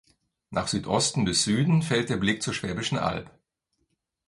Nach Südosten bis Süden fällt der Blick zur Schwäbischen Alb.